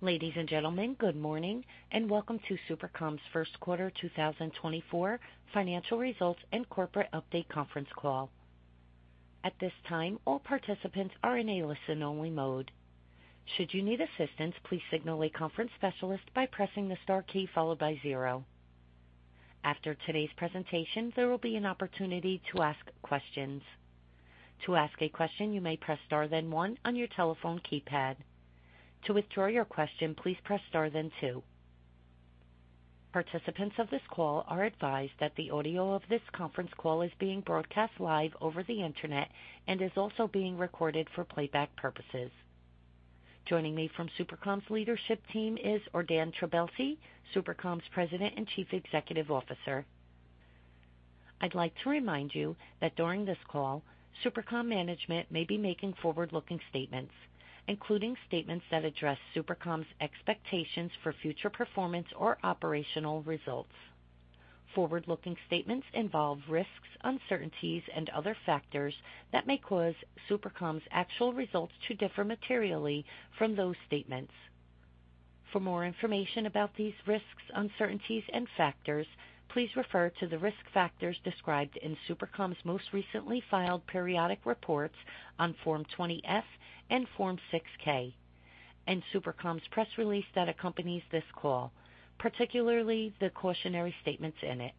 Ladies and gentlemen, good morning, and welcome to SuperCom's first quarter 2024 financial results and corporate update conference call. At this time, all participants are in a listen-only mode. Should you need assistance, please signal a conference specialist by pressing the star key followed by zero. After today's presentation, there will be an opportunity to ask questions. To ask a question, you may press star then one on your telephone keypad. To withdraw your question, please press star then two. Participants of this call are advised that the audio of this conference call is being broadcast live over the Internet and is also being recorded for playback purposes. Joining me from SuperCom's leadership team is Ordan Trabelsi, SuperCom's President and Chief Executive Officer. I'd like to remind you that during this call, SuperCom management may be making forward-looking statements, including statements that address SuperCom's expectations for future performance or operational results. Forward-looking statements involve risks, uncertainties, and other factors that may cause SuperCom's actual results to differ materially from those statements. For more information about these risks, uncertainties, and factors, please refer to the risk factors described in SuperCom's most recently filed periodic reports on Form 20-F and Form 6-K, and SuperCom's press release that accompanies this call, particularly the cautionary statements in it.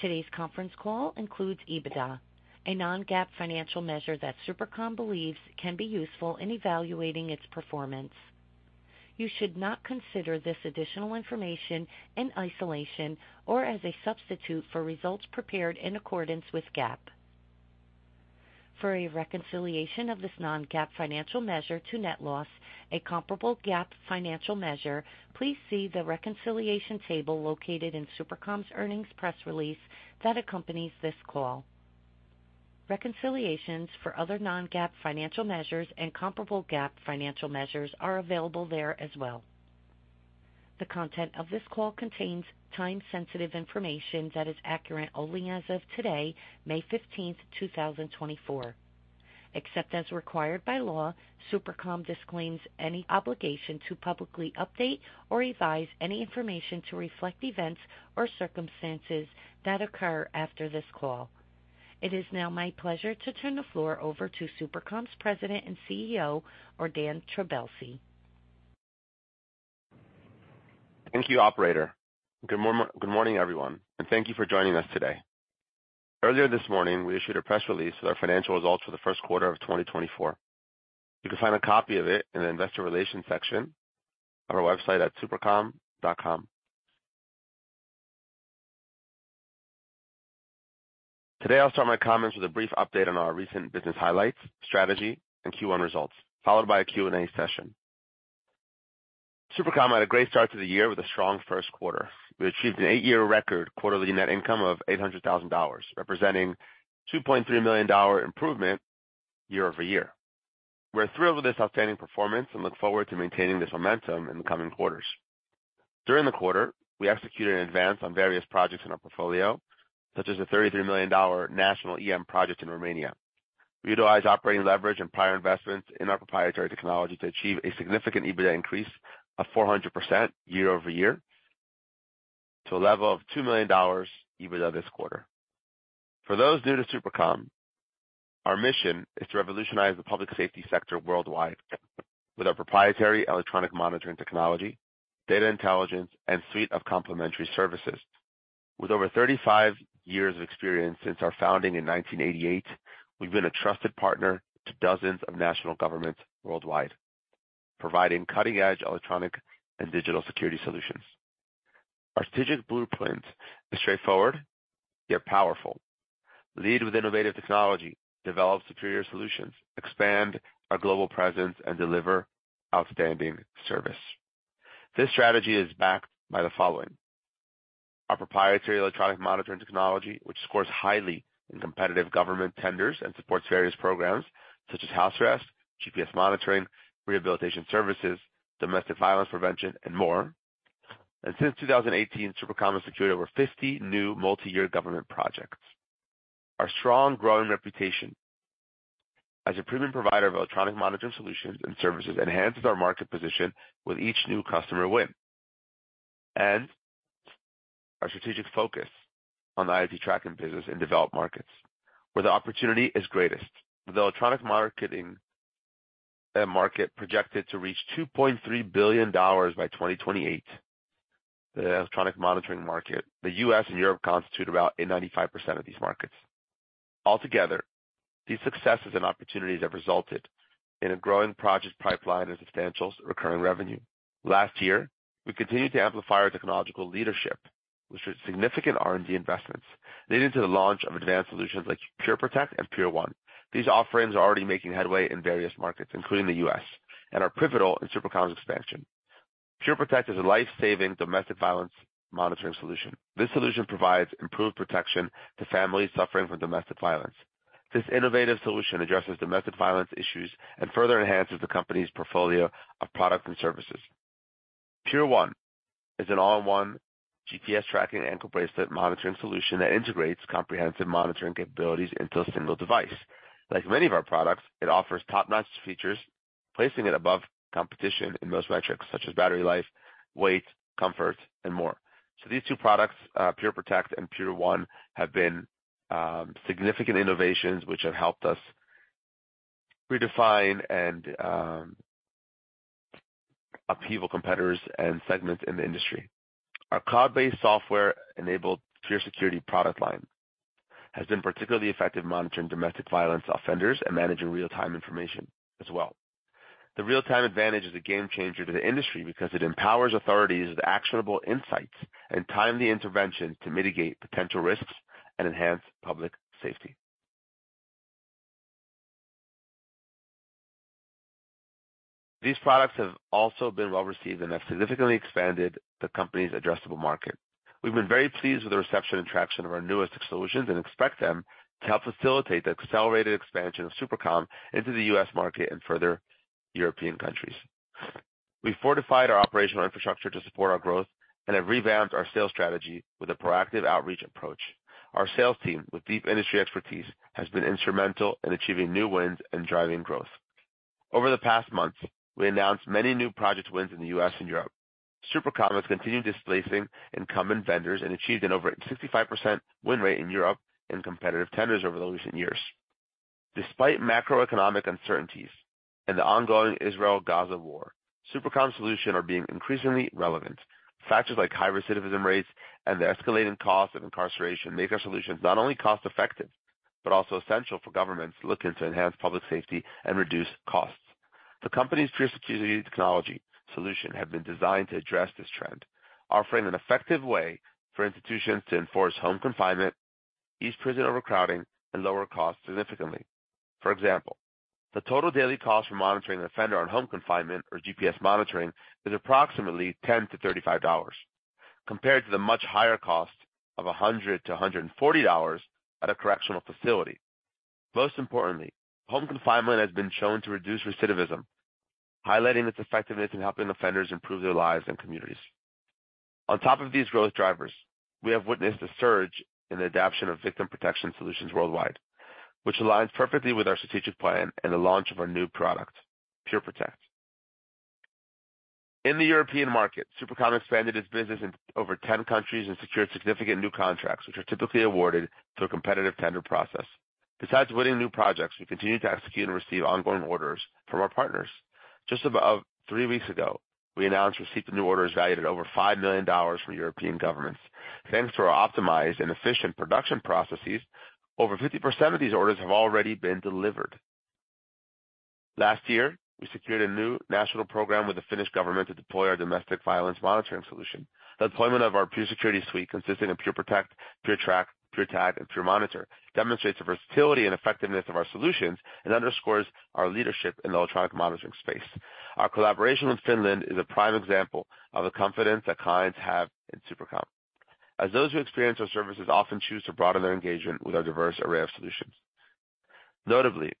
Today's conference call includes EBITDA, a non-GAAP financial measure that SuperCom believes can be useful in evaluating its performance. You should not consider this additional information in isolation or as a substitute for results prepared in accordance with GAAP. For a reconciliation of this non-GAAP financial measure to net loss, a comparable GAAP financial measure, please see the reconciliation table located in SuperCom's earnings press release that accompanies this call. Reconciliations for other non-GAAP financial measures and comparable GAAP financial measures are available there as well. The content of this call contains time-sensitive information that is accurate only as of today, May 15th, 2024. Except as required by law, SuperCom disclaims any obligation to publicly update or revise any information to reflect events or circumstances that occur after this call. It is now my pleasure to turn the floor over to SuperCom's President and CEO, Ordan Trabelsi. Thank you, operator. Good morning, everyone, and thank you for joining us today. Earlier this morning, we issued a press release with our financial results for the first quarter of 2024. You can find a copy of it in the investor relations section on our website at supercom.com. Today, I'll start my comments with a brief update on our recent business highlights, strategy, and Q1 results, followed by a Q&A session. SuperCom had a great start to the year with a strong first quarter. We achieved an 8-year record quarterly net income of $800,000, representing $2.3 million improvement year-over-year. We're thrilled with this outstanding performance and look forward to maintaining this momentum in the coming quarters. During the quarter, we executed an advance on various projects in our portfolio, such as a $33 million national EM project in Romania. We utilized operating leverage and prior investments in our proprietary technology to achieve a significant EBITDA increase of 400% year-over-year to a level of $2 million EBITDA this quarter. For those new to SuperCom, our mission is to revolutionize the public safety sector worldwide with our proprietary electronic monitoring technology, data intelligence, and suite of complementary services. With over 35 years of experience since our founding in 1988, we've been a trusted partner to dozens of national governments worldwide, providing cutting-edge electronic and digital security solutions. Our strategic blueprint is straightforward, yet powerful. Lead with innovative technology, develop superior solutions, expand our global presence, and deliver outstanding service. This strategy is backed by the following: Our proprietary electronic monitoring technology, which scores highly in competitive government tenders and supports various programs such as house arrest, GPS monitoring, rehabilitation services, domestic violence prevention, and more. Since 2018, SuperCom has secured over 50 new multiyear government projects. Our strong, growing reputation as a proven provider of electronic monitoring solutions and services enhances our market position with each new customer win. Our strategic focus on the IoT tracking business in developed markets, where the opportunity is greatest. With the electronic monitoring market projected to reach $2.3 billion by 2028, the U.S. and Europe constitute about 95% of these markets. Altogether, these successes and opportunities have resulted in a growing project pipeline and substantial recurring revenue. Last year, we continued to amplify our technological leadership, which is significant R&D investments, leading to the launch of advanced solutions like PureProtect and PureOne. These offerings are already making headway in various markets, including the U.S., and are pivotal in SuperCom's expansion. PureProtect is a life-saving domestic violence monitoring solution. This solution provides improved protection to families suffering from domestic violence. This innovative solution addresses domestic violence issues and further enhances the company's portfolio of products and services. PureOne is an all-in-one GPS tracking ankle bracelet monitoring solution that integrates comprehensive monitoring capabilities into a single device. Like many of our products, it offers top-notch features, placing it above competition in most metrics, such as battery life, weight, comfort, and more. So these two products, PureProtect and PureOne, have been significant innovations which have helped us redefine and upheaval competitors and segments in the industry. Our cloud-based software-enabled PureSecurity product line has been particularly effective monitoring domestic violence offenders and managing real-time information as well. The real-time advantage is a game changer to the industry because it empowers authorities with actionable insights and timely intervention to mitigate potential risks and enhance public safety. These products have also been well received and have significantly expanded the company's addressable market. We've been very pleased with the reception and traction of our newest solutions and expect them to help facilitate the accelerated expansion of SuperCom into the U.S. market and further European countries. We've fortified our operational infrastructure to support our growth and have revamped our sales strategy with a proactive outreach approach. Our sales team, with deep industry expertise, has been instrumental in achieving new wins and driving growth. Over the past months, we announced many new project wins in the U.S. and Europe. SuperCom has continued displacing incumbent vendors and achieved an over 65% win rate in Europe in competitive tenders over the recent years. Despite macroeconomic uncertainties and the ongoing Israel-Gaza war, SuperCom solutions are being increasingly relevant. Factors like high recidivism rates and the escalating cost of incarceration make our solutions not only cost-effective, but also essential for governments looking to enhance public safety and reduce costs. The company's PureSecurity technology solutions have been designed to address this trend, offering an effective way for institutions to enforce home confinement, ease prison overcrowding, and lower costs significantly. For example, the total daily cost for monitoring an offender on home confinement or GPS monitoring is approximately $10-$35, compared to the much higher cost of $100-$140 at a correctional facility. Most importantly, home confinement has been shown to reduce recidivism, highlighting its effectiveness in helping offenders improve their lives and communities. On top of these growth drivers, we have witnessed a surge in the adoption of victim protection solutions worldwide, which aligns perfectly with our strategic plan and the launch of our new product, PureProtect. In the European market, SuperCom expanded its business in over 10 countries and secured significant new contracts, which are typically awarded through a competitive tender process. Besides winning new projects, we continue to execute and receive ongoing orders from our partners. Just about three weeks ago, we announced receipt of new orders valued at over $5 million from European governments. Thanks to our optimized and efficient production processes, over 50% of these orders have already been delivered. Last year, we secured a new national program with the Finnish government to deploy our domestic violence monitoring solution. The deployment of our PureSecurity suite, consisting of PureProtect, PureTrack, PureTag, and PureMonitor, demonstrates the versatility and effectiveness of our solutions and underscores our leadership in the electronic monitoring space. Our collaboration with Finland is a prime example of the confidence that clients have in SuperCom, as those who experience our services often choose to broaden their engagement with our diverse array of solutions. Notably,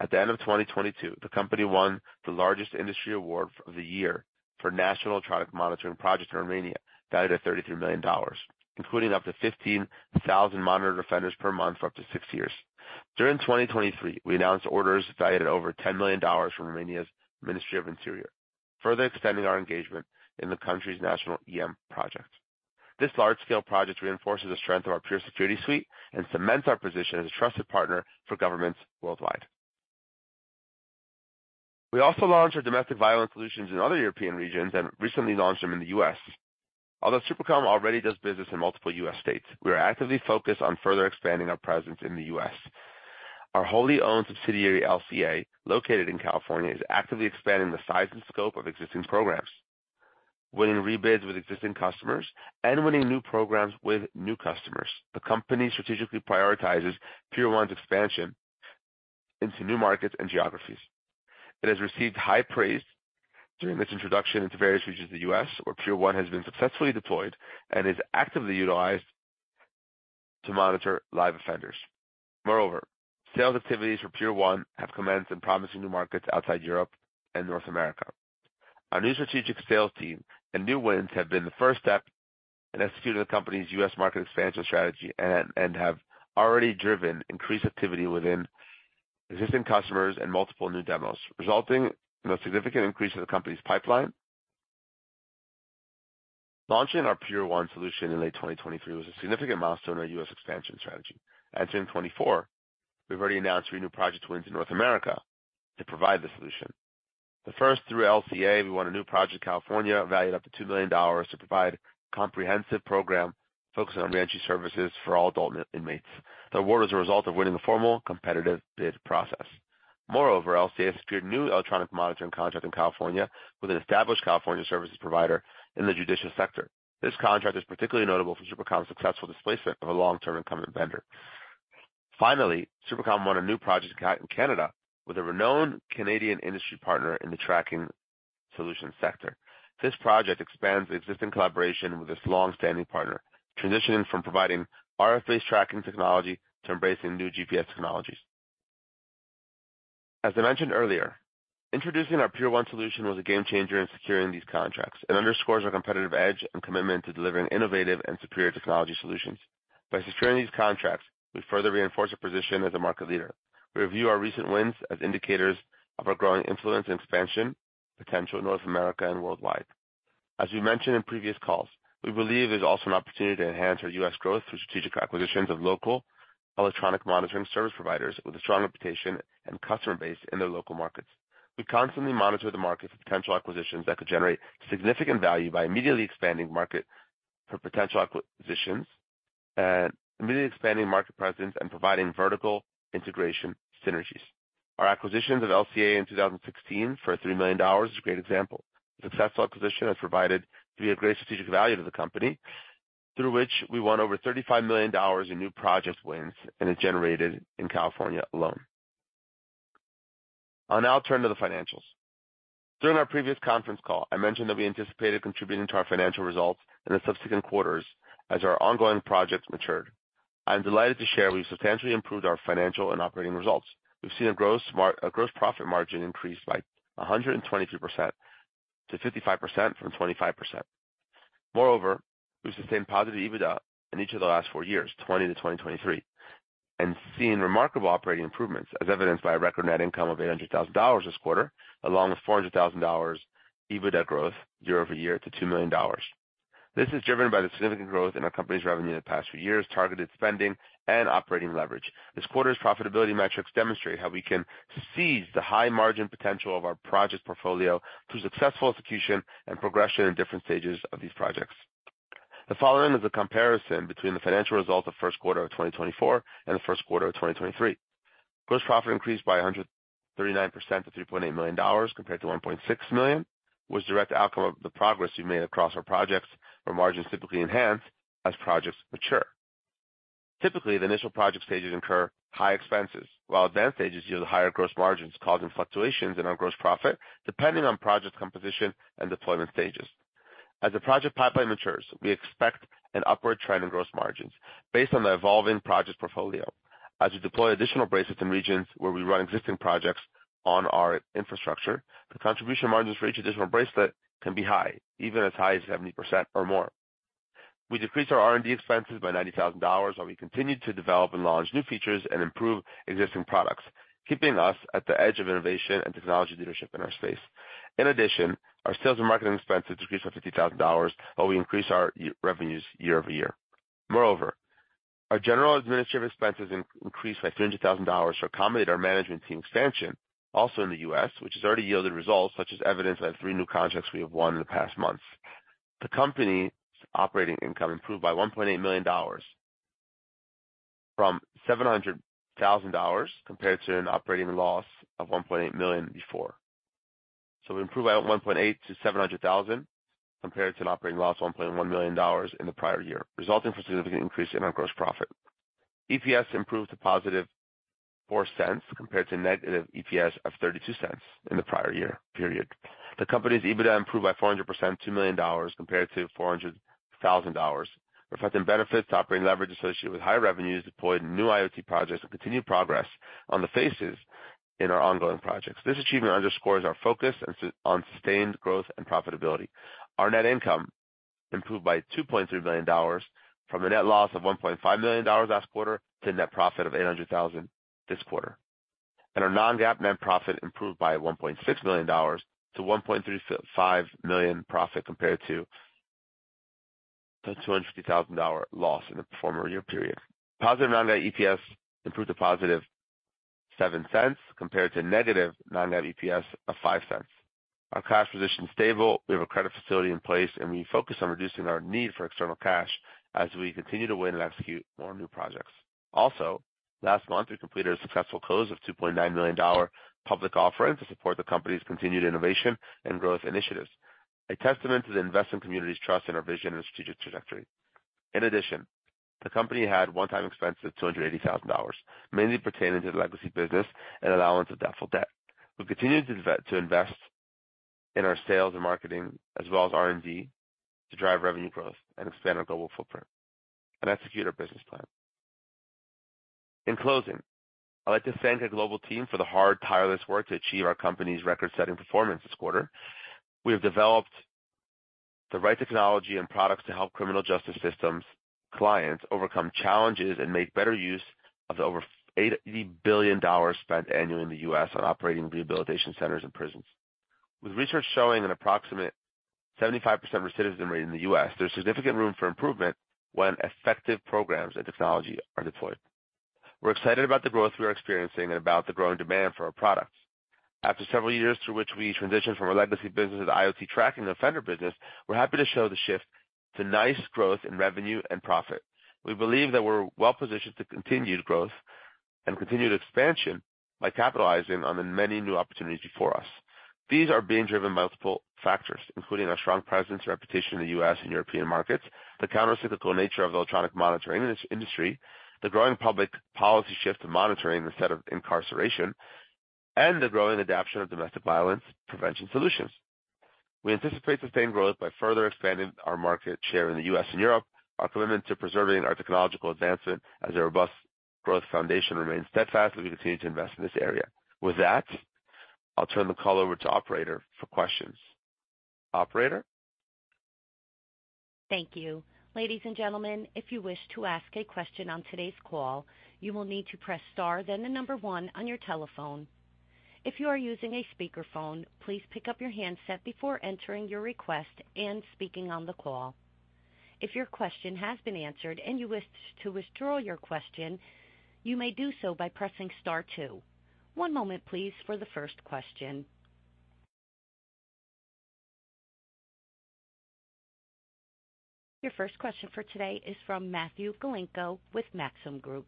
at the end of 2022, the company won the largest industry award of the year for national electronic monitoring project in Romania, valued at $33 million, including up to 15,000 monitored offenders per month for up to six years. During 2023, we announced orders valued at over $10 million from Romania's Ministry of Interior, further expanding our engagement in the country's national EM project. This large-scale project reinforces the strength of our PureSecurity suite and cements our position as a trusted partner for governments worldwide. We also launched our domestic violence solutions in other European regions and recently launched them in the U.S. Although SuperCom already does business in multiple U.S. states, we are actively focused on further expanding our presence in the U.S. Our wholly owned subsidiary, LCA, located in California, is actively expanding the size and scope of existing programs, winning rebids with existing customers and winning new programs with new customers. The company strategically prioritizes PureOne's expansion into new markets and geographies. It has received high praise during its introduction into various regions of the U.S., where PureOne has been successfully deployed and is actively utilized to monitor live offenders. Moreover, sales activities for PureOne have commenced in promising new markets outside Europe and North America. Our new strategic sales team and new wins have been the first step in executing the company's U.S. market expansion strategy and have already driven increased activity within existing customers and multiple new demos, resulting in a significant increase in the company's pipeline. Launching our PureOne solution in late 2023 was a significant milestone in our U.S. expansion strategy. In 2024, we've already announced three new project wins in North America to provide the solution. The first, through LCA, we won a new project in California valued up to $2 million to provide comprehensive program focused on re-entry services for all adult inmates. The award was a result of winning a formal competitive bid process. Moreover, LCA secured a new electronic monitoring contract in California with an established California services provider in the judicial sector. This contract is particularly notable for SuperCom's successful displacement of a long-term incumbent vendor. Finally, SuperCom won a new project in Canada with a renowned Canadian industry partner in the tracking solution sector. This project expands the existing collaboration with this long-standing partner, transitioning from providing RF-based tracking technology to embracing new GPS technologies. As I mentioned earlier, introducing our PureOne solution was a game changer in securing these contracts. It underscores our competitive edge and commitment to delivering innovative and superior technology solutions. By securing these contracts, we further reinforce our position as a market leader. We view our recent wins as indicators of our growing influence and expansion potential in North America and worldwide. As we mentioned in previous calls, we believe there's also an opportunity to enhance our U.S. growth through strategic acquisitions of local electronic monitoring service providers with a strong reputation and customer base in their local markets. We constantly monitor the market for potential acquisitions that could generate significant value by immediately expanding market presence and providing vertical integration synergies. Our acquisition of LCA in 2016 for $3 million is a great example. The successful acquisition has provided us a great strategic value to the company, through which we won over $35 million in new project wins and is generated in California alone. I'll now turn to the financials. During our previous conference call, I mentioned that we anticipated contributing to our financial results in the subsequent quarters as our ongoing projects matured. I'm delighted to share we've substantially improved our financial and operating results. We've seen a gross profit margin increase by 123% to 55% from 25%. Moreover, we've sustained positive EBITDA in each of the last four years, 2020 to 2023, and seen remarkable operating improvements, as evidenced by a record net income of $800,000 this quarter, along with $400,000 EBITDA growth year-over-year to $2 million. This is driven by the significant growth in our company's revenue in the past few years, targeted spending and operating leverage. This quarter's profitability metrics demonstrate how we can seize the high margin potential of our project portfolio through successful execution and progression in different stages of these projects. The following is a comparison between the financial results of first quarter of 2024 and the first quarter of 2023. Gross profit increased by 139% to $3.8 million compared to $1.6 million. Was a direct outcome of the progress we've made across our projects, where margins typically enhance as projects mature. Typically, the initial project stages incur high expenses, while advanced stages yield higher gross margins, causing fluctuations in our gross profit depending on project composition and deployment stages. As the project pipeline matures, we expect an upward trend in gross margins based on the evolving project portfolio. As we deploy additional bracelets in regions where we run existing projects on our infrastructure, the contribution margins for each additional bracelet can be high, even as high as 70% or more. We decreased our R&D expenses by $90,000, while we continued to develop and launch new features and improve existing products, keeping us at the edge of innovation and technology leadership in our space. In addition, our sales and marketing expenses decreased by $50,000, while we increased our revenues year-over-year. Moreover, our general administrative expenses increased by $300,000 to accommodate our management team expansion, also in the U.S., which has already yielded results, such as evidence of three new contracts we have won in the past months. The company's operating income improved by $1.8 million, from $700,000 compared to an operating loss of $1.8 million before. So we improved by 1.8% to $700,000, compared to an operating loss of $1.1 million in the prior year, resulting from a significant increase in our gross profit. EPS improved to +$0.04, compared to negative EPS of $0.32 in the prior year period. The company's EBITDA improved by 400% to $2 million, compared to $400,000, reflecting benefits to operating leverage associated with higher revenues, deployed new IoT projects, and continued progress on the phases in our ongoing projects. This achievement underscores our focus on on sustained growth and profitability. Our net income improved by $2.3 million from a net loss of $1.5 million last quarter to net profit of $800,000 this quarter. Our non-GAAP net profit improved by $1.6 million to $1.35 million profit, compared to the $250,000 loss in the former year period. Positive non-GAAP EPS improved to positive $0.07, compared to negative non-GAAP EPS of $0.05. Our cash position is stable. We have a credit facility in place, and we focus on reducing our need for external cash as we continue to win and execute more new projects. Also, last month, we completed a successful close of $2.9 million public offering to support the company's continued innovation and growth initiatives, a testament to the investment community's trust in our vision and strategic trajectory. In addition, the company had one-time expense of $280,000, mainly pertaining to the legacy business and allowance of doubtful debt. We continue to invest in our sales and marketing, as well as R&D, to drive revenue growth and expand our global footprint and execute our business plan. In closing, I'd like to thank our global team for the hard, tireless work to achieve our company's record-setting performance this quarter. We have developed the right technology and products to help criminal justice systems, clients overcome challenges and make better use of the over $80 billion spent annually in the U.S. on operating rehabilitation centers and prisons. With research showing an approximate 75% recidivism rate in the U.S., there's significant room for improvement when effective programs and technology are deployed. We're excited about the growth we are experiencing and about the growing demand for our products. After several years through which we transitioned from our legacy business to the IoT tracking offender business, we're happy to show the shift to nice growth in revenue and profit. We believe that we're well positioned to continued growth and continued expansion by capitalizing on the many new opportunities before us. These are being driven by multiple factors, including our strong presence and reputation in the U.S. and European markets, the countercyclical nature of the electronic monitoring in this industry, the growing public policy shift to monitoring instead of incarceration, and the growing adoption of domestic violence prevention solutions. We anticipate sustained growth by further expanding our market share in the U.S. and Europe, are committed to preserving our technological advancement as a robust growth foundation remains steadfast, and we continue to invest in this area. With that, I'll turn the call over to operator for questions. Operator? Thank you. Ladies and gentlemen, if you wish to ask a question on today's call, you will need to press star, then the number one on your telephone. If you are using a speakerphone, please pick up your handset before entering your request and speaking on the call. If your question has been answered and you wish to withdraw your question, you may do so by pressing star two. One moment, please, for the first question. Your first question for today is from Matthew Galinko with Maxim Group.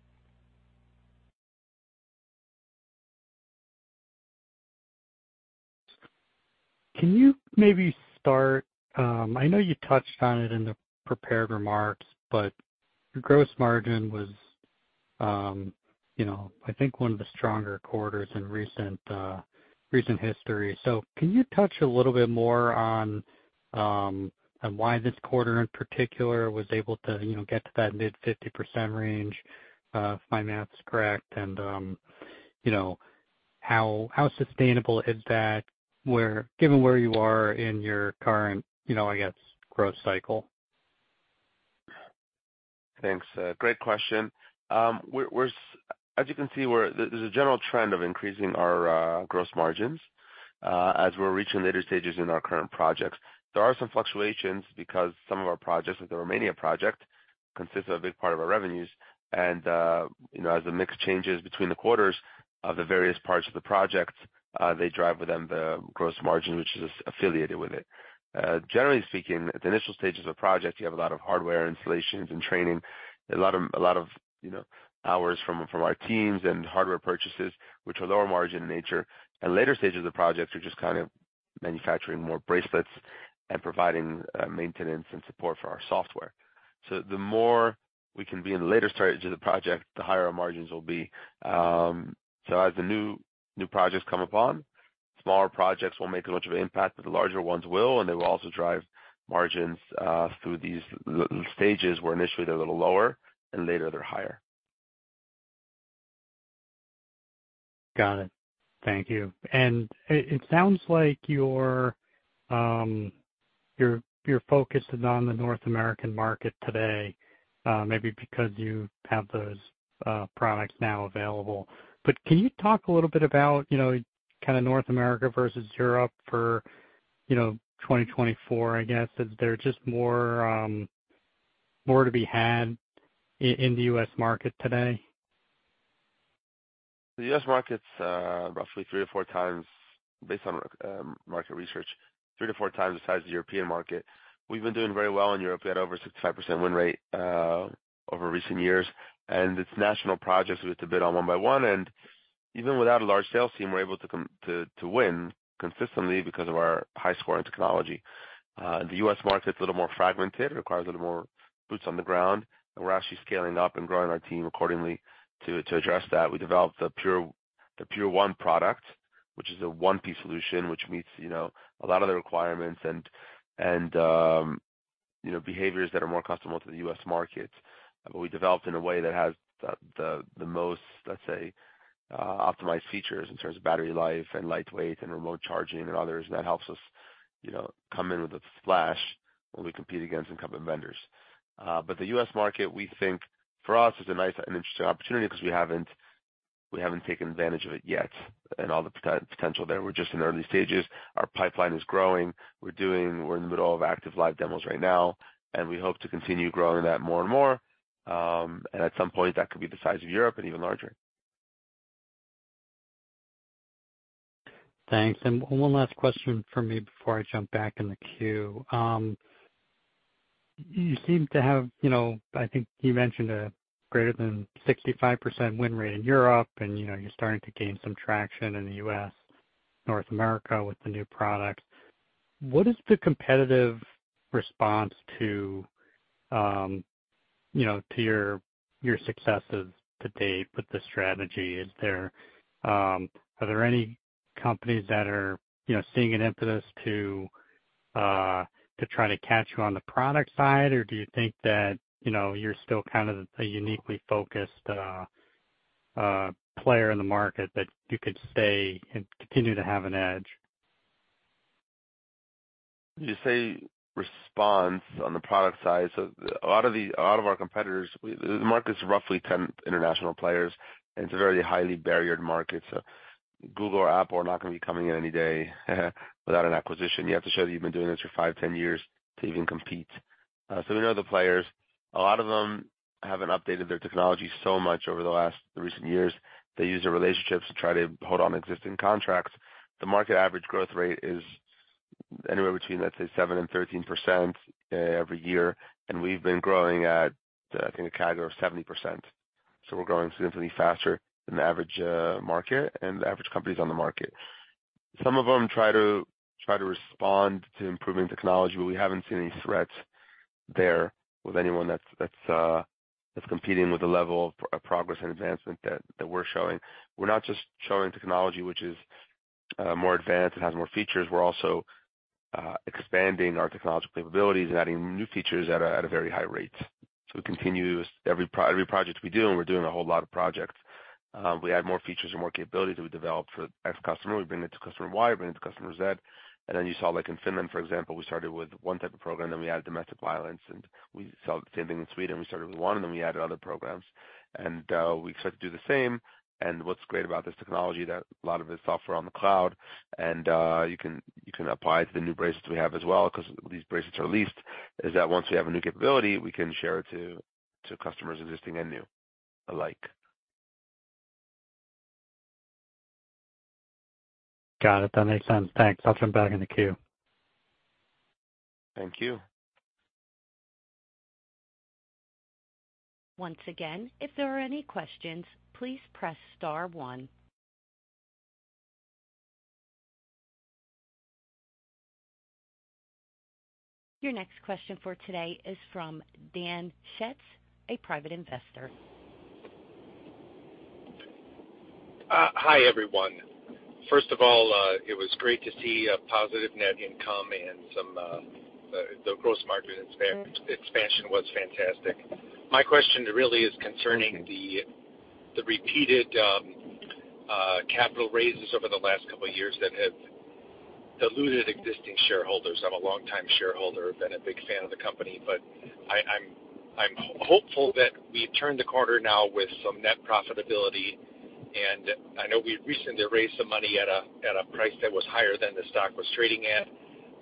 Can you maybe start, I know you touched on it in the prepared remarks, but your gross margin was, you know, I think one of the stronger quarters in recent history. So can you touch a little bit more on why this quarter in particular was able to, you know, get to that mid-50% range, if my math is correct, and, you know, how sustainable is that, given where you are in your current, you know, I guess, growth cycle? Thanks. Great question. As you can see, there's a general trend of increasing our gross margins as we're reaching later stages in our current projects. There are some fluctuations because some of our projects, like the Romanian project, consists of a big part of our revenues, and you know, as the mix changes between the quarters of the various parts of the project, they drive within the gross margin, which is affiliated with it. Generally speaking, at the initial stages of a project, you have a lot of hardware installations and training, a lot of hours from our teams and hardware purchases, which are lower margin in nature. And later stages of the projects are just kind of manufacturing more bracelets and providing maintenance and support for our software. So the more we can be in the later stages of the project, the higher our margins will be. So as the new projects come upon, smaller projects won't make as much of an impact, but the larger ones will, and they will also drive margins through these later stages, where initially they're a little lower and later they're higher. Got it. Thank you. And it sounds like your focus is on the North American market today, maybe because you have those products now available. But can you talk a little bit about, you know, kind of North America versus Europe for, you know, 2024, I guess? Is there just more to be had in the U.S. market today? The U.S. market's roughly 3x-4x, based on market research, 3x-4x the size of the European market. We've been doing very well in Europe. We had over 65% win rate over recent years, and it's national projects, so we have to bid on one by one, and even without a large sales team, we're able to win consistently because of our high scoring technology. The U.S. market is a little more fragmented, requires a little more boots on the ground, and we're actually scaling up and growing our team accordingly to address that. We developed the Pure, the PureOne product, which is a one-piece solution, which meets, you know, a lot of the requirements and, you know, behaviors that are more accustomed to the U.S. market. But we developed in a way that has the most, let's say, optimized features in terms of battery life and lightweight and remote charging and others. That helps us, you know, come in with a splash when we compete against incumbent vendors. But the U.S. market, we think, for us, is a nice and interesting opportunity because we haven't taken advantage of it yet, and all the potential there. We're just in early stages. Our pipeline is growing. We're in the middle of active live demos right now, and we hope to continue growing that more and more. And at some point, that could be the size of Europe and even larger. Thanks. And one last question for me before I jump back in the queue. You seem to have, you know, I think you mentioned a greater than 65% win rate in Europe, and, you know, you're starting to gain some traction in the U.S., North America, with the new products. What is the competitive response to, you know, to your, your successes to date with this strategy? Is there, are there any companies that are, you know, seeing an impetus to, to try to catch you on the product side? Or do you think that, you know, you're still kind of a uniquely focused, player in the market that you could stay and continue to have an edge? You say response on the product side. So a lot of the, a lot of our competitors, the market is roughly 10 international players, and it's a very highly barriered market, so Google or Apple are not going to be coming in any day, without an acquisition. You have to show that you've been doing this for five, 10 years to even compete. So we know the players. A lot of them haven't updated their technology so much over the last recent years. They use their relationships to try to hold on existing contracts. The market average growth rate is anywhere between, let's say, 7%-13%, every year, and we've been growing at, I think, a CAGR of 70%. So we're growing significantly faster than the average market and the average companies on the market. Some of them try to respond to improving technology, but we haven't seen any threats there with anyone that's competing with the level of progress and advancement that we're showing. We're not just showing technology which is more advanced and has more features, we're also expanding our technological capabilities and adding new features at a very high rate. So we continue to every project we do, and we're doing a whole lot of projects, we add more features and more capabilities that we develop for X customer. We bring it to customer Y, we bring it to customer Z. And then you saw, like in Finland, for example, we started with one type of program, then we added domestic violence, and we saw the same thing in Sweden. We started with one, and then we added other programs. We expect to do the same. What's great about this technology that a lot of it is software on the cloud, and you can apply it to the new bracelets we have as well, because these bracelets are leased, is that once we have a new capability, we can share it to customers existing and new alike. Got it. That makes sense. Thanks. I'll jump back in the queue. Thank you. Once again, if there are any questions, please press star one. Your next question for today is from Dan Schatz, a private investor. Hi, everyone. First of all, it was great to see a positive net income and the gross margin expansion was fantastic. My question really is concerning the repeated capital raises over the last couple of years that have diluted existing shareholders. I'm a longtime shareholder, been a big fan of the company, but I'm hopeful that we've turned the corner now with some net profitability. And I know we recently raised some money at a price that was higher than the stock was trading at.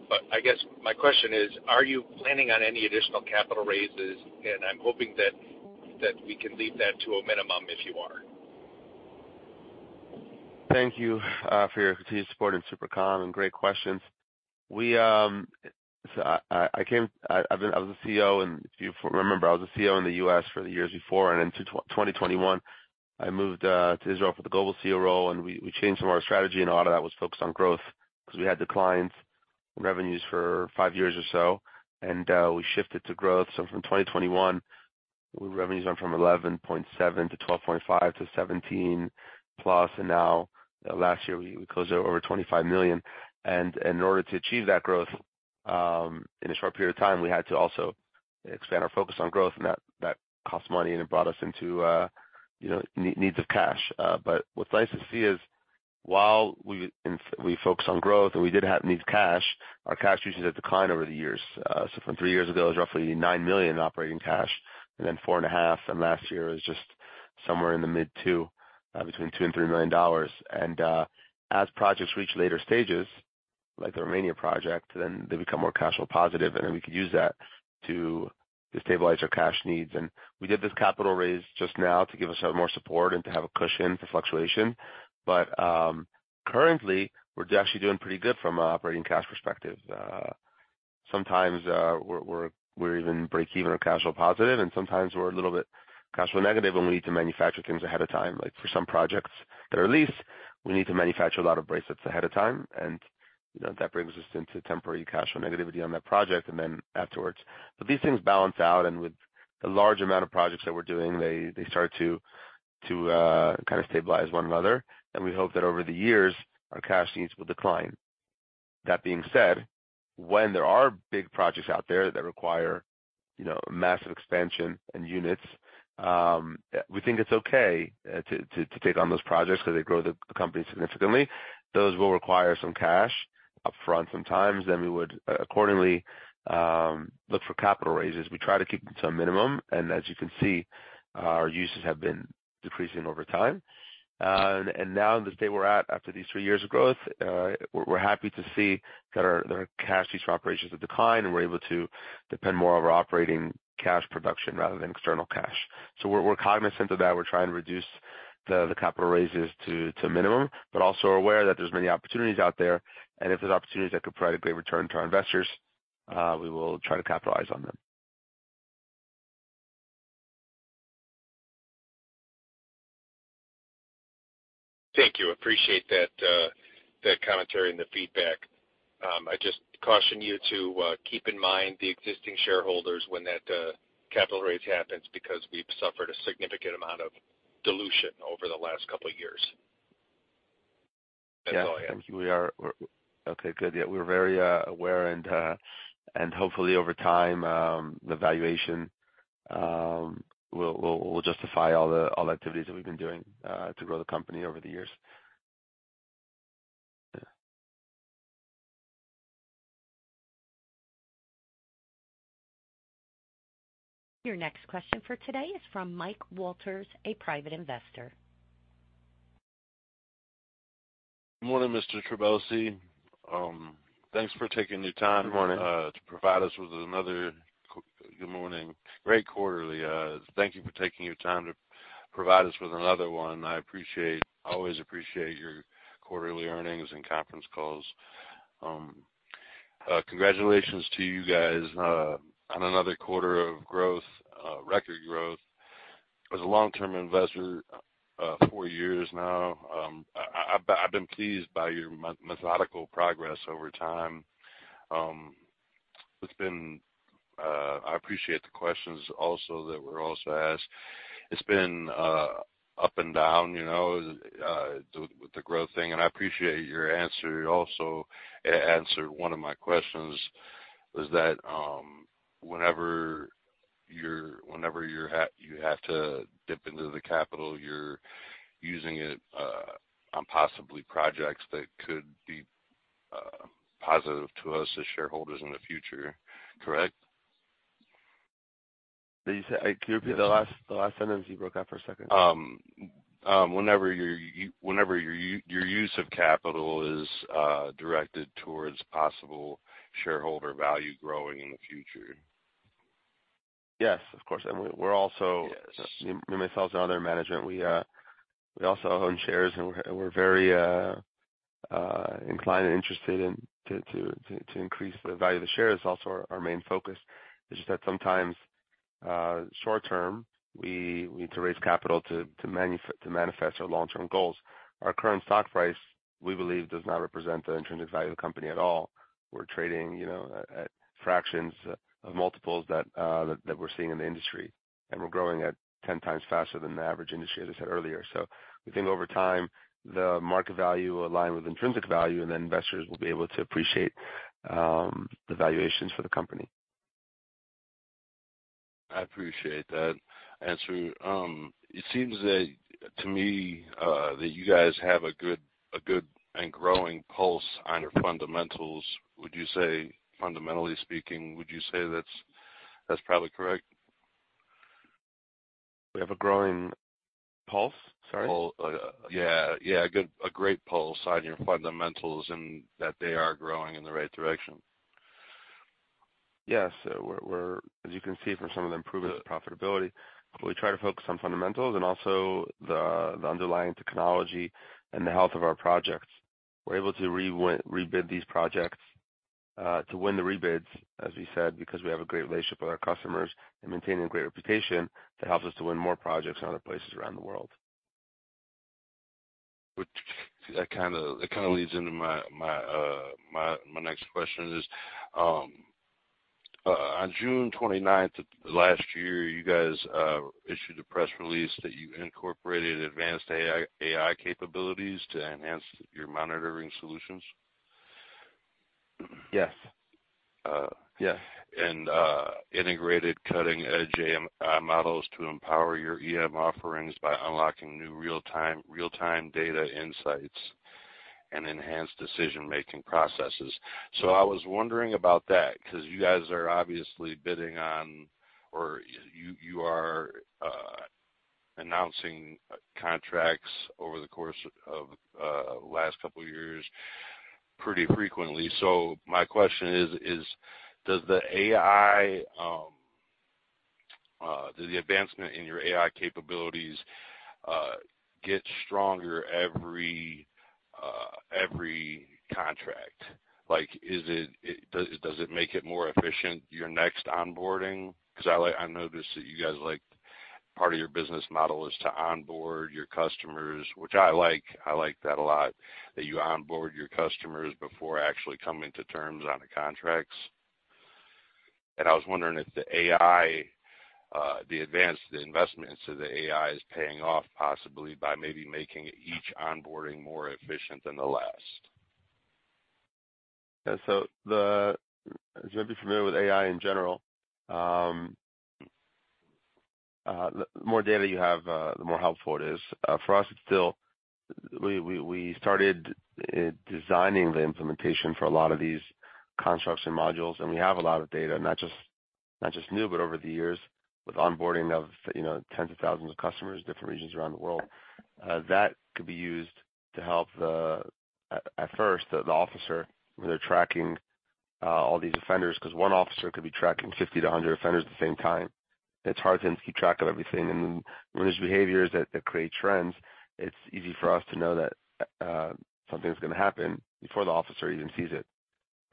But I guess my question is, are you planning on any additional capital raises? And I'm hoping that we can leave that to a minimum if you are. Thank you for your continued support in SuperCom and great questions. We so I I've been, I was a CEO, and if you remember, I was a CEO in the U.S. for the years before, and in 2021, I moved to Israel for the global CEO role, and we changed some of our strategy, and a lot of that was focused on growth because we had declines in revenues for five years or so, and we shifted to growth. So from 2021, revenues went from $11.7 million to $12.5 million to $17+ million, and now last year we closed over $25 million. In order to achieve that growth, in a short period of time, we had to also expand our focus on growth, and that, that cost money and it brought us into, you know, needs of cash. But what's nice to see is, while we focused on growth and we did have needs cash, our cash usually had declined over the years. So from three years ago, it was roughly $9 million in operating cash, and then $4.5 million, and last year was just somewhere in the mid two, between $2 million and $3 million. As projects reach later stages, like the Romania project, then they become more cash flow positive, and then we could use that to stabilize our cash needs. And we did this capital raise just now to give us more support and to have a cushion for fluctuation. But currently, we're actually doing pretty good from an operating cash perspective. Sometimes we're even breakeven or cash flow positive, and sometimes we're a little bit cash flow negative when we need to manufacture things ahead of time. Like for some projects that are leased, we need to manufacture a lot of bracelets ahead of time, and you know that brings us into temporary cash flow negativity on that project and then afterwards. But these things balance out, and with the large amount of projects that we're doing, they start to kind of stabilize one another. And we hope that over the years, our cash needs will decline. That being said, when there are big projects out there that require, you know, massive expansion and units, we think it's okay to take on those projects because they grow the company significantly. Those will require some cash upfront sometimes. Then we would accordingly look for capital raises. We try to keep it to a minimum, and as you can see, our uses have been decreasing over time. Now the state we're at, after these three years of growth, we're happy to see that our cash use for operations have declined, and we're able to depend more on our operating cash production rather than external cash. So we're cognizant of that. We're trying to reduce the capital raises to a minimum, but also are aware that there's many opportunities out there, and if there's opportunities that could provide a great return to our investors, we will try to capitalize on them. Thank you. Appreciate that, that commentary and the feedback. I just caution you to keep in mind the existing shareholders when that capital raise happens, because we've suffered a significant amount of dilution over the last couple of years. Yeah. Thank you. Okay, good. Yeah, we're very aware, and hopefully over time, the valuation will justify all the activities that we've been doing to grow the company over the years. Yeah. Your next question for today is from Mike Walters, a private investor. Good morning, Mr. Trabelsi. Thanks for taking your time- Good morning. Good morning. Great quarterly. Thank you for taking your time to provide us with another one. I appreciate, always appreciate your quarterly earnings and conference calls. Congratulations to you guys on another quarter of growth, record growth. As a long-term investor, four years now, I've been pleased by your methodical progress over time. It's been, I appreciate the questions also that were also asked. It's been up and down, you know, with the growth thing, and I appreciate your answer. You also answered one of my questions, was that, whenever you have to dip into the capital, you're using it on possibly projects that could be positive to us as shareholders in the future, correct? Did you say? Can you repeat the last, the last sentence? You broke up for a second. Whenever your use of capital is directed towards possible shareholder value growing in the future. Yes, of course. And we're also- Yes. Me, myself, and other management, we also own shares, and we're very inclined and interested in to increase the value of the shares. Also, our main focus is just that sometimes short term, we need to raise capital to manifest our long-term goals. Our current stock price, we believe, does not represent the intrinsic value of the company at all. We're trading, you know, at fractions of multiples that we're seeing in the industry, and we're growing at 10x faster than the average industry, as I said earlier. So we think over time, the market value will align with intrinsic value, and then investors will be able to appreciate the valuations for the company. I appreciate that answer. It seems to me that you guys have a good and growing pulse on your fundamentals. Would you say, fundamentally speaking, that's probably correct? We have a growing pulse? Sorry. Pulse. Yeah, yeah, a good, a great pulse on your fundamentals, and that they are growing in the right direction. Yes. So we're, as you can see from some of the improvements in profitability, we try to focus on fundamentals and also the underlying technology and the health of our projects. We're able to rebid these projects, to win the rebids, as we said, because we have a great relationship with our customers and maintaining a great reputation that helps us to win more projects in other places around the world. That kind of leads into my next question, on June 29th of last year, you guys issued a press release that you incorporated advanced AI capabilities to enhance your monitoring solutions. Yes. Yes. And, integrated cutting-edge AI models to empower your EM offerings by unlocking new real-time data insights and enhanced decision-making processes. So I was wondering about that, because you guys are obviously bidding on, or you are, announcing contracts over the course of, last couple of years pretty frequently. So my question is, does the AI, does the advancement in your AI capabilities, get stronger every, every contract? Like, is it, does it make it more efficient, your next onboarding? Because I like. I noticed that you guys, like, part of your business model, is to onboard your customers, which I like. I like that a lot, that you onboard your customers before actually coming to terms on the contracts. I was wondering if the AI, the advance, the investment into the AI is paying off, possibly by maybe making each onboarding more efficient than the last. Yeah, so as you might be familiar with AI in general, the more data you have, the more helpful it is. For us, it's still we started designing the implementation for a lot of these constructs and modules, and we have a lot of data, not just new, but over the years, with onboarding of, you know, tens of thousands of customers, different regions around the world. That could be used to help the, at first, the officer, when they're tracking all these offenders, because one officer could be tracking 50-100 offenders at the same time. It's hard for them to keep track of everything. And when there's behaviors that create trends, it's easy for us to know that something's gonna happen before the officer even sees it.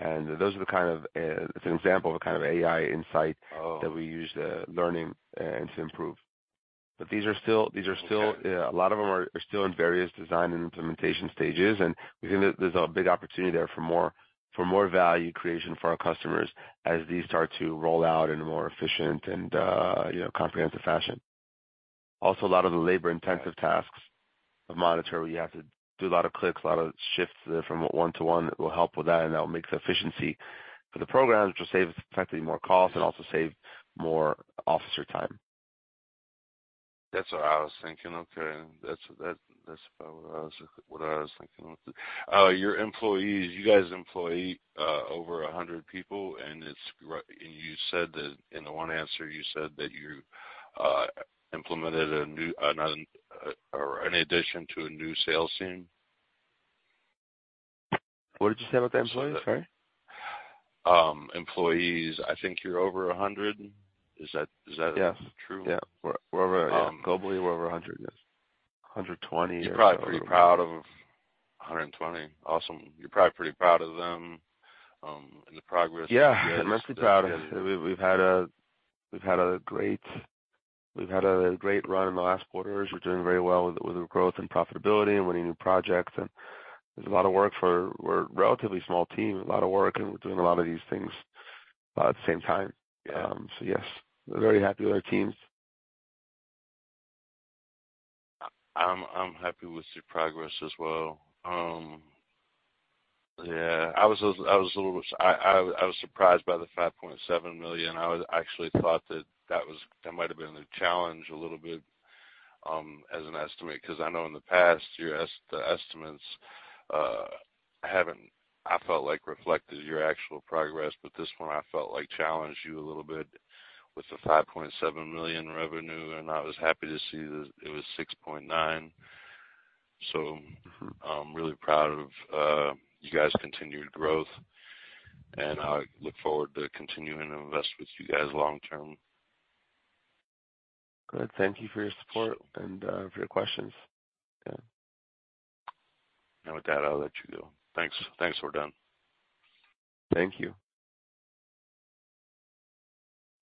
Those are the kind of, it's an example of a kind of AI insight- Oh. That we use the learning to improve. But these are still, these are still- Okay. Yeah, a lot of them are still in various design and implementation stages, and we think that there's a big opportunity there for more value creation for our customers as these start to roll out in a more efficient and, you know, comprehensive fashion. Also, a lot of the labor-intensive tasks of monitoring, you have to do a lot of clicks, a lot of shifts from one to one will help with that, and that will make the efficiency for the programs, which will save effectively more costs and also save more officer time. That's what I was thinking. Okay. That's about what I was thinking. Your employees, you guys employ over 100 people, and you said that, in the one answer, you said that you implemented a new, another, or an addition to a new sales team? What did you say about the employees? Sorry. Employees, I think you're over 100. Is that- Yeah. True? Yeah, we're over. Um- Globally, we're over 100, yes, 120. You're probably pretty proud of 120. Awesome. You're probably pretty proud of them, and the progress. Yeah, I'm mostly proud. We've had a great run in the last quarters. We're doing very well with the growth and profitability and winning new projects, and there's a lot of work for we're a relatively small team, a lot of work, and we're doing a lot of these things at the same time. So, yes, we're very happy with our teams. I'm happy with your progress as well. Yeah, I was a little bit surprised by the $5.7 million. I actually thought that that was, that might have been a challenge a little bit, as an estimate, because I know in the past, the estimates haven't, I felt like, reflected your actual progress, but this one I felt like challenged you a little bit with the $5.7 million revenue, and I was happy to see that it was $6.9 million. So I'm really proud of you guys' continued growth, and I look forward to continuing to invest with you guys long term. Good. Thank you for your support and for your questions. Yeah. With that, I'll let you go. Thanks. Thanks, we're done. Thank you.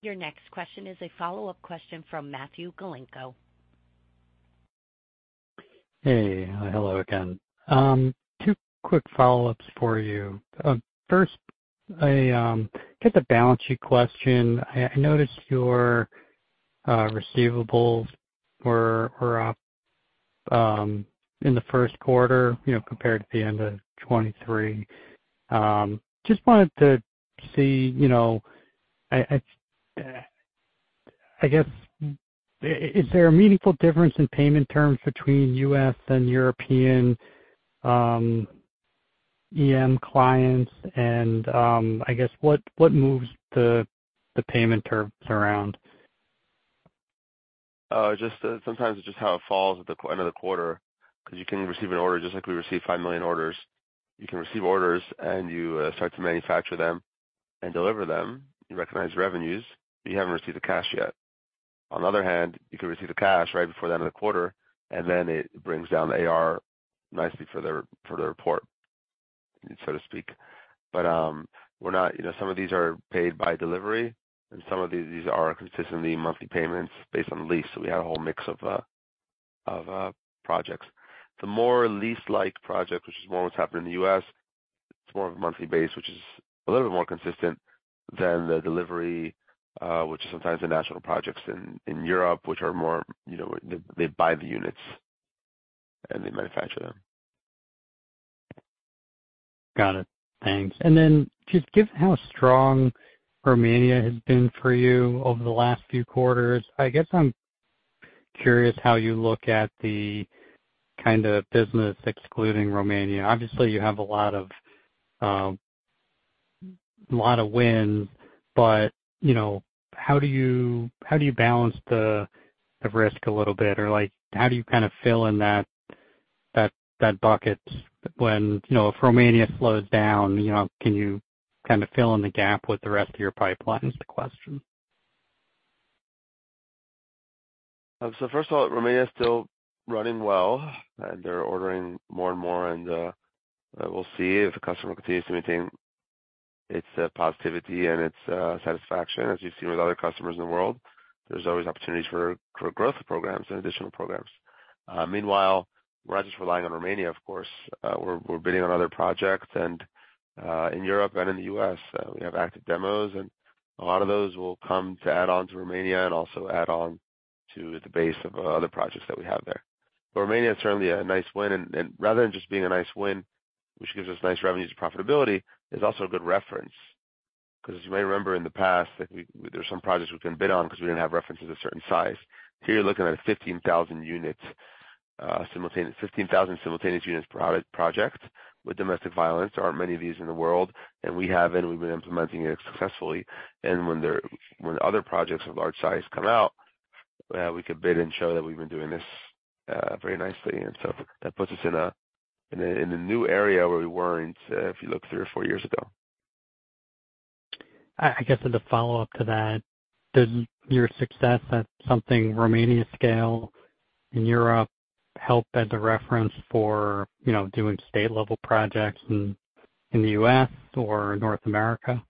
Your next question is a follow-up question from Matthew Galinko. Hey, hello again. Two quick follow-ups for you. First, kind of a balance sheet question. I noticed your receivables were up in the first quarter, you know, compared to the end of 2023. Just wanted to see, you know, guess, is there a meaningful difference in payment terms between U.S. and European EM clients? And, I guess, what moves the payment terms around? Just sometimes it's just how it falls at the end of the quarter, because you can receive an order, just like we receive $5 million orders. You can receive orders and you start to manufacture them and deliver them. You recognize revenues, but you haven't received the cash yet. On the other hand, you can receive the cash right before the end of the quarter, and then it brings down the AR nicely for the report, so to speak. But we're not, you know, some of these are paid by delivery, and some of these are consistently monthly payments based on lease. So we have a whole mix of projects. The more lease-like project, which is more what's happening in the U.S., it's more of a monthly basis, which is a little bit more consistent than the delivery, which is sometimes the national projects in Europe, which are more, you know, they buy the units and they manufacture them. Got it. Thanks. And then just given how strong Romania has been for you over the last few quarters, I guess I'm curious how you look at the kind of business excluding Romania. Obviously, you have a lot of, lot of wins, but, you know, how do you, how do you balance the, the risk a little bit? Or, like, how do you kind of fill in that, that, that bucket when, you know, if Romania slows down, you know, can you kind of fill in the gap with the rest of your pipeline? Is the question. So first of all, Romania is still running well, and they're ordering more and more, and we'll see if the customer continues to maintain its positivity and its satisfaction. As you've seen with other customers in the world, there's always opportunities for growth programs and additional programs. Meanwhile, we're not just relying on Romania, of course. We're bidding on other projects and in Europe and in the U.S., we have active demos, and a lot of those will come to add on to Romania and also add on to the base of other projects that we have there. Romania is certainly a nice win, and rather than just being a nice win, which gives us nice revenues and profitability, it's also a good reference. Because as you may remember in the past, that there's some projects we couldn't bid on because we didn't have references of a certain size. Here, you're looking at a 15,000 units, simultaneous, 15,000 simultaneous units product project with domestic violence. There aren't many of these in the world, and we have, and we've been implementing it successfully. And when there, when other projects of large size come out, we could bid and show that we've been doing this, very nicely, and so that puts us in a, in a, in a new area where we weren't, if you look three or four years ago. I guess as a follow-up to that, does your success in Romania scale in Europe help as a reference for, you know, doing state-level projects in the U.S. or North America?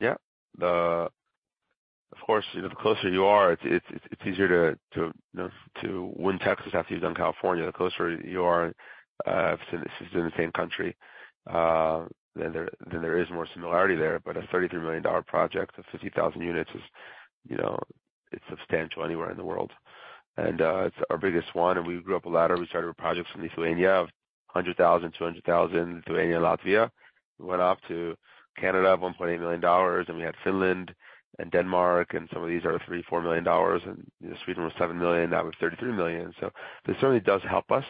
Yeah. Of course, you know, the closer you are, it's easier to, you know, to win Texas after you've done California. The closer you are, since this is in the same country, then there is more similarity there. But a $33 million project of 50,000 units is, you know, it's substantial anywhere in the world. And it's our biggest one, and we grew up a ladder. We started with projects in Lithuania of 100,000, 200,000, Lithuania, Latvia. We went off to Canada, $1.8 million, and we had Finland and Denmark, and some of these are $3 million-$4 million, and Sweden was $7 million, that was $33 million. So this certainly does help us.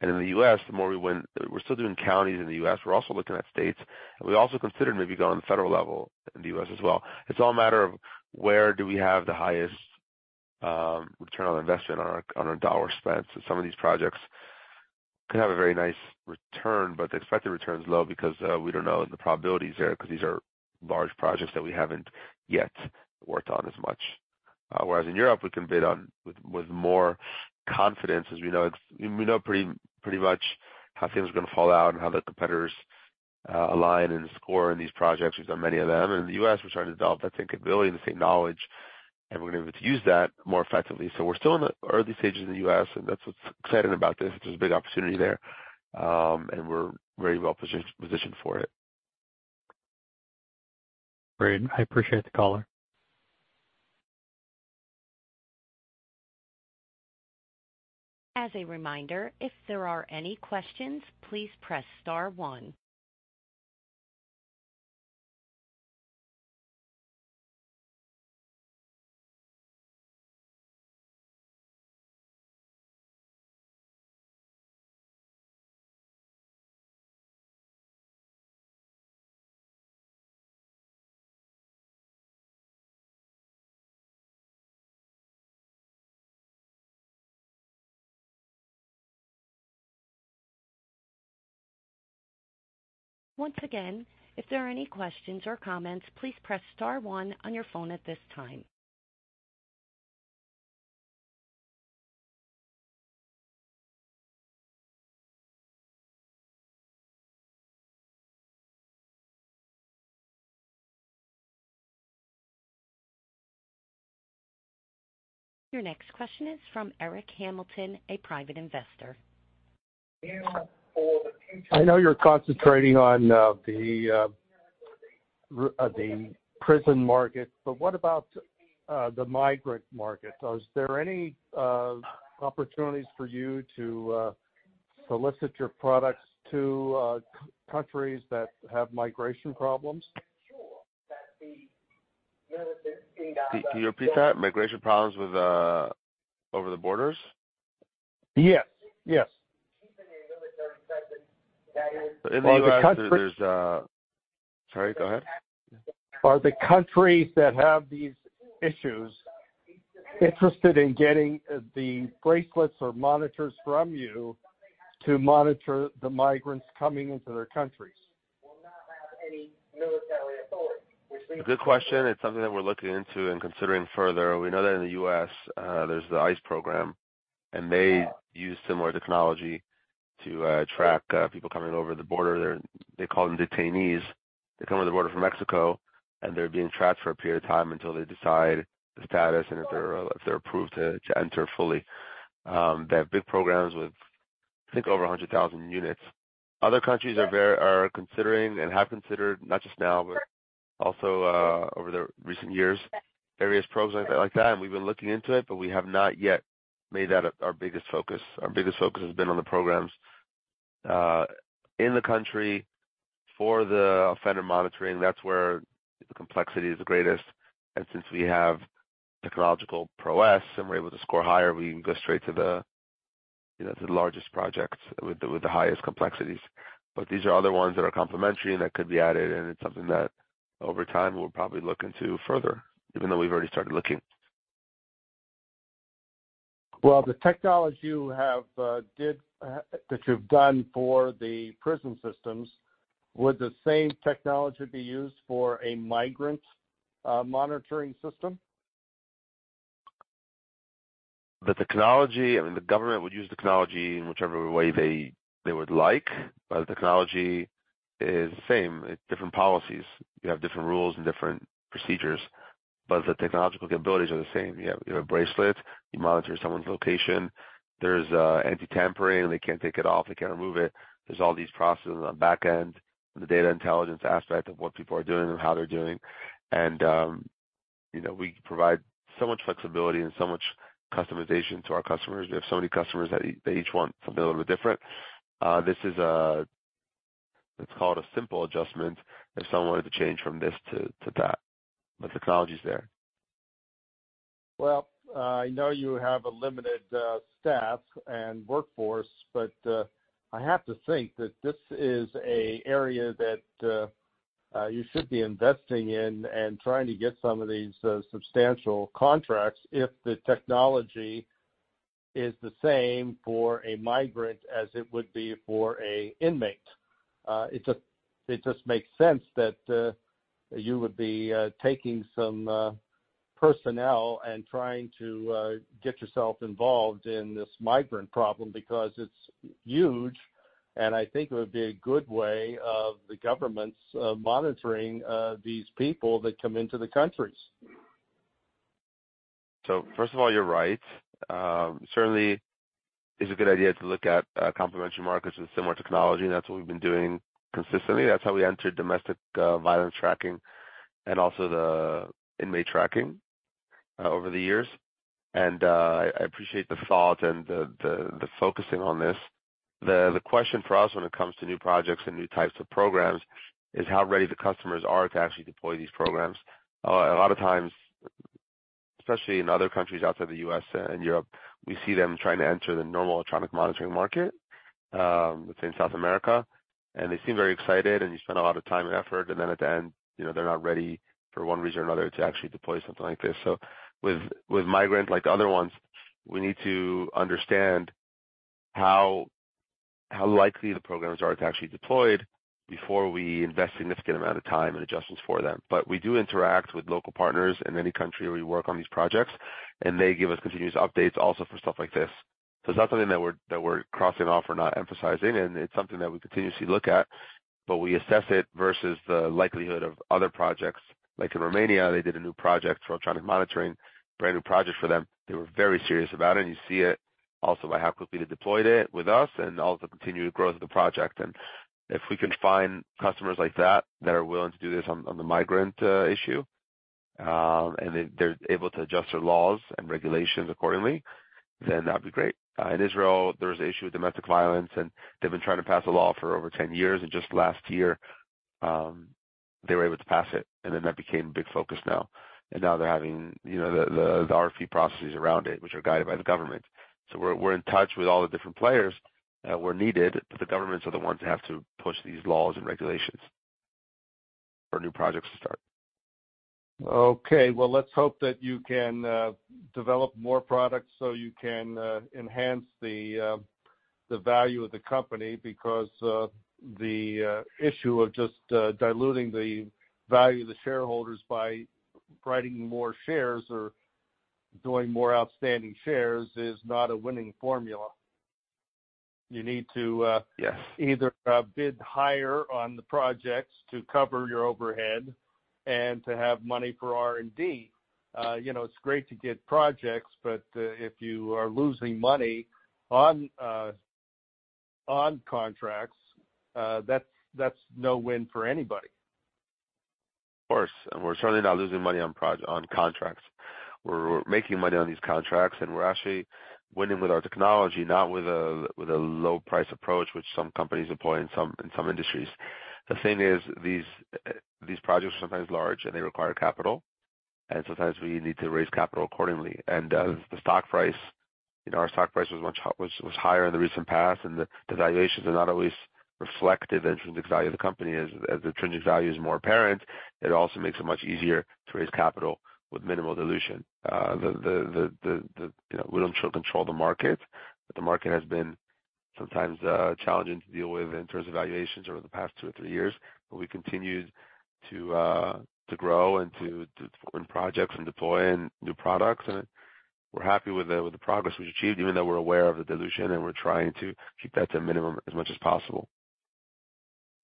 In the U.S., the more we win, we're still doing counties in the U.S., we're also looking at states, and we also considered maybe going federal level in the U.S. as well. It's all a matter of where do we have the highest return on investment on our dollar spent. So some of these projects could have a very nice return, but the expected return is low because we don't know the probabilities there, because these are large projects that we haven't yet worked on as much. Whereas in Europe, we can bid on with more confidence, as we know, we know pretty, pretty much how things are going to fall out and how the competitors align and score in these projects. We've done many of them. In the U.S., we're trying to develop that same capability and the same knowledge, and we're going to able to use that more effectively. So we're still in the early stages in the U.S., and that's what's exciting about this. There's a big opportunity there, and we're very well positioned for it. Great. I appreciate the call. As a reminder, if there are any questions, please press star one. Once again, if there are any questions or comments, please press star one on your phone at this time. Your next question is from Eric Hamilton, a private investor. I know you're concentrating on the prison market, but what about the migrant market? Is there any opportunities for you to solicit your products to countries that have migration problems? Can you repeat that? Migration problems with, over the borders? Yes. Yes. In the U.S., there's, sorry, go ahead. Are the countries that have these issues interested in getting the bracelets or monitors from you to monitor the migrants coming into their countries? Good question. It's something that we're looking into and considering further. We know that in the U.S., there's the ICE program, and they use similar technology to track people coming over the border. They call them detainees. They come over the border from Mexico, and they're being tracked for a period of time until they decide the status and if they're approved to enter fully. They have big programs with, I think, over 100,000 units. Other countries are considering and have considered, not just now, but also over the recent years, various programs like that, and we've been looking into it, but we have not yet made that our biggest focus. Our biggest focus has been on the programs in the country for the offender monitoring. That's where the complexity is the greatest. Since we have technological prowess and we're able to score higher, we can go straight to the, you know, to the largest projects with the, with the highest complexities. But these are other ones that are complementary and that could be added, and it's something that over time, we'll probably look into further, even though we've already started looking. Well, the technology you have that you've done for the prison systems, would the same technology be used for a migrant monitoring system? The technology, I mean, the government would use the technology in whichever way they would like, but the technology is the same. It's different policies. You have different rules and different procedures, but the technological capabilities are the same. You have a bracelet, you monitor someone's location. There's anti-tampering, and they can't take it off, they can't remove it. There's all these processes on the back end, the data intelligence aspect of what people are doing and how they're doing. And you know, we provide so much flexibility and so much customization to our customers. We have so many customers that they each want something a little bit different. This is, it's called a simple adjustment if someone were to change from this to that. The technology's there. Well, I know you have a limited staff and workforce, but I have to think that this is an area that you should be investing in and trying to get some of these substantial contracts if the technology is the same for a migrant as it would be for an inmate. It just makes sense that you would be taking some personnel and trying to get yourself involved in this migrant problem, because it's huge, and I think it would be a good way of the governments monitoring these people that come into the countries. So first of all, you're right. Certainly it's a good idea to look at complementary markets with similar technology, and that's what we've been doing consistently. That's how we entered domestic violence tracking and also the inmate tracking over the years. I appreciate the thought and the focusing on this. The question for us when it comes to new projects and new types of programs is how ready the customers are to actually deploy these programs. A lot of times, especially in other countries outside the U.S. and Europe, we see them trying to enter the normal electronic monitoring market, let's say in South America. They seem very excited, and you spend a lot of time and effort, and then at the end, you know, they're not ready for one reason or another to actually deploy something like this. So with, with migrant, like the other ones, we need to understand how, how likely the programs are to actually deployed before we invest significant amount of time and adjustments for them. But we do interact with local partners in any country where we work on these projects, and they give us continuous updates also for stuff like this. So it's not something that we're, that we're crossing off or not emphasizing, and it's something that we continuously look at, but we assess it versus the likelihood of other projects. Like in Romania, they did a new project for electronic monitoring, brand new project for them. They were very serious about it, and you see it also by how quickly they deployed it with us and also continued growth of the project. If we can find customers like that, that are willing to do this on the migrant issue, and they're able to adjust their laws and regulations accordingly, then that'd be great. In Israel, there was an issue with domestic violence, and they've been trying to pass a law for over 10 years, and just last year, they were able to pass it, and then that became a big focus now. And now they're having, you know, the RFP processes around it, which are guided by the government. So we're in touch with all the different players where needed, but the governments are the ones that have to push these laws and regulations for new projects to start. Okay, well, let's hope that you can develop more products so you can enhance the value of the company, because the issue of just diluting the value of the shareholders by writing more shares or doing more outstanding shares is not a winning formula. You need to Yes. Either bid higher on the projects to cover your overhead and to have money for R&D. You know, it's great to get projects, but if you are losing money on contracts, that's no win for anybody. Of course, and we're certainly not losing money on contracts. We're making money on these contracts, and we're actually winning with our technology, not with a low price approach, which some companies employ in some industries. The thing is, these projects are sometimes large, and they require capital, and sometimes we need to raise capital accordingly. And the stock price, you know, our stock price was much higher in the recent past, and the valuations are not always reflective of the intrinsic value of the company. As the intrinsic value is more apparent, it also makes it much easier to raise capital with minimal dilution. You know, we don't control the market, but the market has been sometimes challenging to deal with in terms of valuations over the past two or three years. But we continued to grow and to win projects and deploy in new products. And we're happy with the progress we've achieved, even though we're aware of the dilution, and we're trying to keep that to a minimum as much as possible.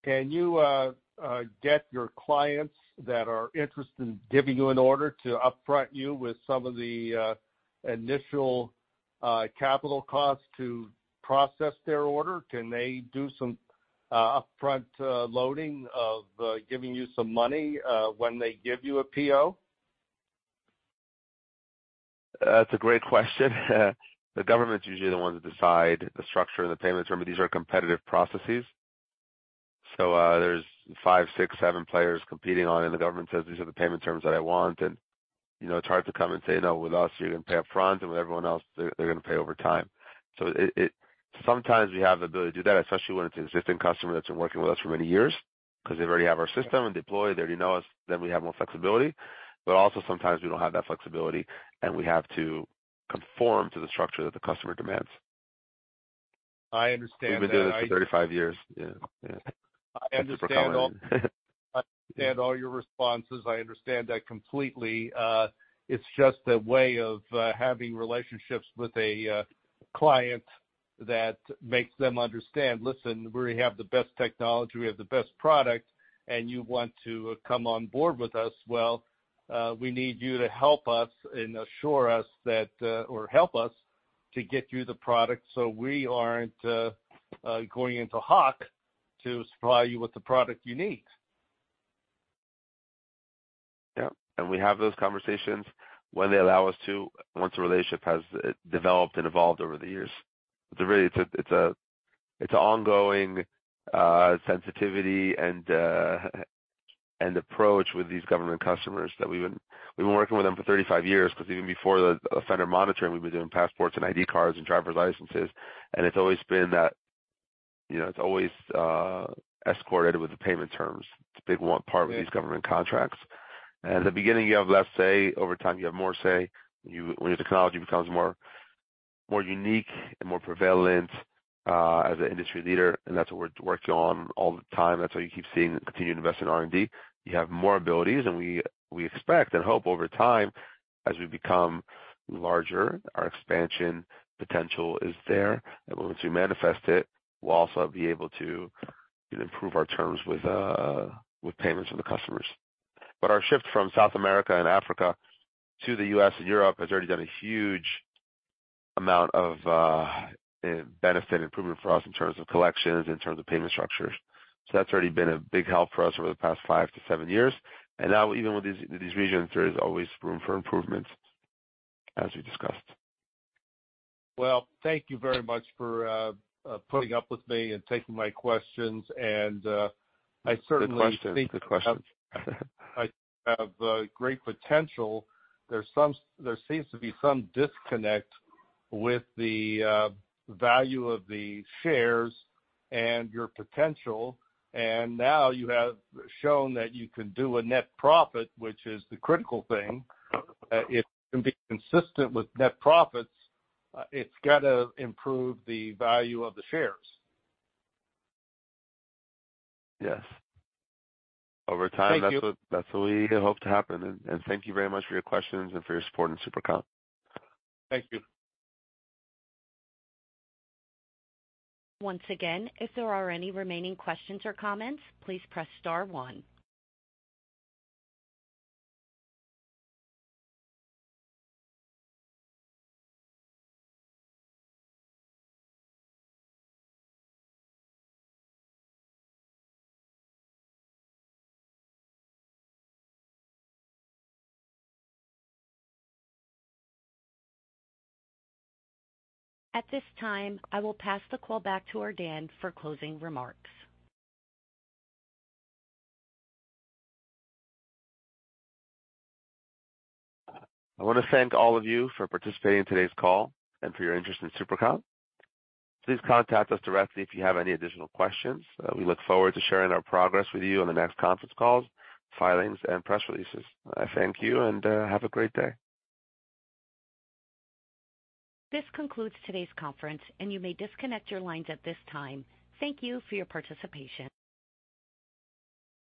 Can you get your clients that are interested in giving you an order to upfront you with some of the initial capital costs to process their order? Can they do some upfront loading of giving you some money when they give you a PO? That's a great question. The government's usually the ones that decide the structure of the payment term, these are competitive processes. So, there's five, six, seven players competing on it, and the government says, "these are the payment terms that I want." And, you know, it's hard to come and say, "no, with us, you're going to pay up front, and with everyone else, they're going to pay over time." So sometimes we have the ability to do that, especially when it's an existing customer that's been working with us for many years, because they already have our system and deployed. They already know us, then we have more flexibility. But also, sometimes we don't have that flexibility, and we have to conform to the structure that the customer demands. I understand that. We've been doing it for 35 years. Yeah, yeah. I understand all your responses. I understand that completely. It's just a way of having relationships with a client that makes them understand, "listen, we have the best technology, we have the best product, and you want to come on board with us. Well, we need you to help us and assure us that, or help us to get you the product, so we aren't going into hock to supply you with the product you need. Yeah, and we have those conversations when they allow us to, once a relationship has developed and evolved over the years. It's really an ongoing sensitivity and approach with these government customers that we've been, we've been working with them for 35 years, because even before the offender monitoring, we've been doing passports and ID cards and driver's licenses, and it's always been that, you know, it's always escorted with the payment terms. It's a big one, part with these government contracts. At the beginning, you have less say, over time, you have more say. When you, when your technology becomes more unique and more prevalent as an industry leader, and that's what we're working on all the time, that's why you keep seeing continued investment in R&D. You have more abilities, and we, we expect and hope over time, as we become larger, our expansion potential is there, and once we manifest it, we'll also be able to improve our terms with, with payments from the customers. But our shift from South America and Africa to the U.S. and Europe has already done a huge amount of, benefit improvement for us in terms of collections, in terms of payment structures. So that's already been a big help for us over the past 5-7 years. And now, even with these, these regions, there is always room for improvement, as we discussed. Well, thank you very much for putting up with me and taking my questions, and I certainly- Good questions. Good questions. I have great potential. There seems to be some disconnect with the value of the shares and your potential, and now you have shown that you can do a net profit, which is the critical thing. If you can be consistent with net profits, it's got to improve the value of the shares. Yes. Over time- Thank you. That's what, that's what we hope to happen. And thank you very much for your questions and for your support in SuperCom. Thank you. Once again, if there are any remaining questions or comments, please press star one. At this time, I will pass the call back to Ordan for closing remarks. I want to thank all of you for participating in today's call and for your interest in SuperCom. Please contact us directly if you have any additional questions. We look forward to sharing our progress with you on the next conference calls, filings, and press releases. I thank you, and have a great day. This concludes today's conference, and you may disconnect your lines at this time. Thank you for your participation.